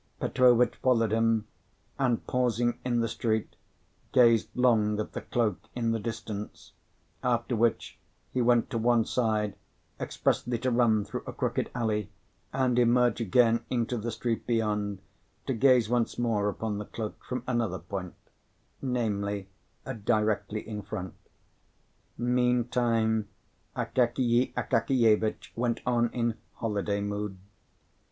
Petrovitch followed him, and, pausing in the street, gazed long at the cloak in the distance, after which he went to one side expressly to run through a crooked alley, and emerge again into the street beyond to gaze once more upon the cloak from another point, namely, directly in front. Meantime Akakiy Akakievitch went on in holiday mood.